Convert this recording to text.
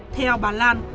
theo bà lan